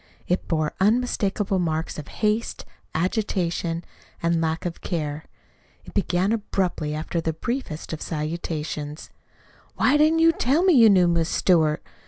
It bore unmistakable marks of haste, agitation, and lack of care. It began abruptly, after the briefest of salutations: Why didn't you tell me you knew Miss Stewart?